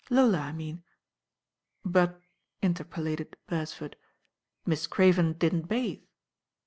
Lola, I mean." "But," interpolated Beresford, "Miss Craven didn't bathe."